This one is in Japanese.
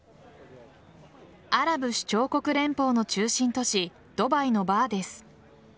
アラブ首長国連邦の中心都市ドバイのバーです。